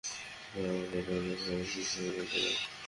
হ্যাঁ, বাবাকে চাইলে কফিখোর বলতে পারেন!